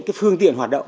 cái phương tiện hoạt động